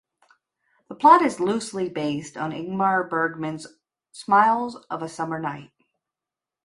The plot is loosely based on Ingmar Bergman's "Smiles of a Summer Night".